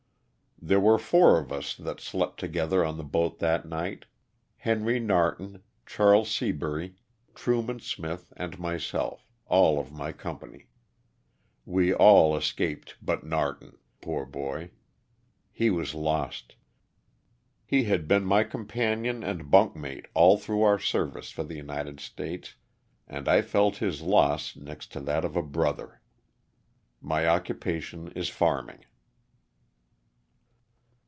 There were four of us that slept together on the boat that night: Henry Narton, Charles Seabury, Truman Smith, and myself, all of my company. We all escaped but Narton (poor boy). He was lost. He had been my companion and bunkmate all through our service for the United States and I felt his loss next to that of a brother. My occupation is farming.